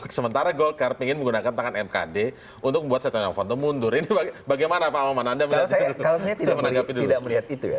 kalau saya tidak melihat itu ya